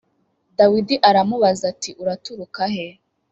Dawidi aramubaza ati “Uraturuka he?”